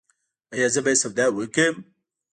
ایا زه باید سودا وکړم؟